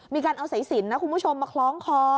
มีการเอาสายสินนะคุณผู้ชมมาคล้องคอ